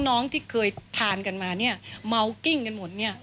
น้องที่เคยทานกันมาเนี่ยเมากิ้งกันหมดเนี่ย